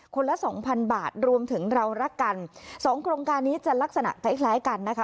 ละสองพันบาทรวมถึงเรารักกันสองโครงการนี้จะลักษณะคล้ายคล้ายกันนะคะ